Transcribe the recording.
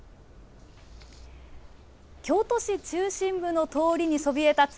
京都市中心部の通りにそびえたつ